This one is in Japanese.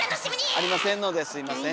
ありませんのですみません。